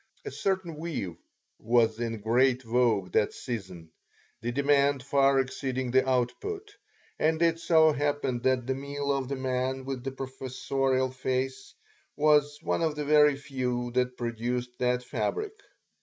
A certain weave was in great vogue that season, the demand far exceeding the output, and it so happened that the mill of the man with the professorial face was one of the very few that produced that fabric.